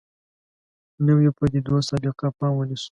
نویو پدیدو سابقه پام ونیسو.